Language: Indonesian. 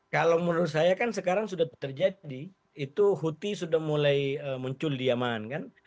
kalau menurut saya kan sekarang sudah terjadi itu huti sudah mulai muncul diaman kan